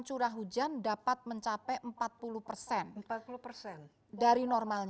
curah hujan dapat mencapai